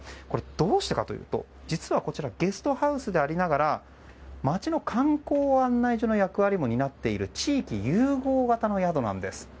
どうしてかというと、実はこちらゲストハウスでありながら街の観光案内所の役割も担っている地域融合型の宿なんです。